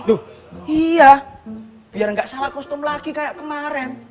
duh iya biar gak salah kostum lagi kayak kemarin